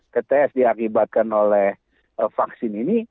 tts diakibatkan oleh vaksin ini